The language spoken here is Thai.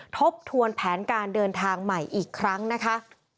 ทบทวนแผนการเดินทางใหม่อีกครั้งนะคะ